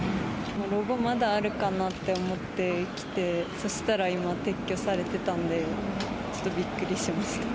ロゴ、まだあるかなと思って来て、そしたら今、撤去されてたんで、ちょっとびっくりしました。